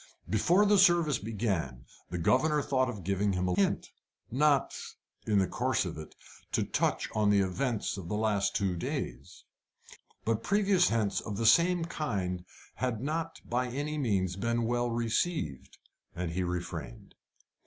Before the service began, the governor thought of giving him a hint, not in the course of it to touch on the events of the last two days. But previous hints of the same kind had not by any means been well received, and he refrained.